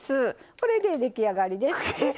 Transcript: これで出来上がりです。